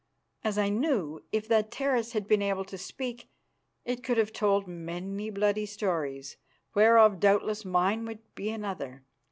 As I knew, if that terrace had been able to speak, it could have told many bloody histories, whereof doubtless mine would be another.